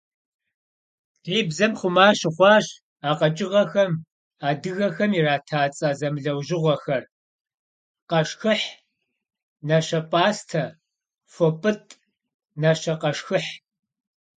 Ди бзэм хъума щыхъуащ а къэкӀыгъэхэм адыгэхэм ирата цӀэ зэмылӀэужьыгъуэхэр: къэшхыхь, нащэпӀастэ, фопӀытӀ, нащэкъэшхыхь.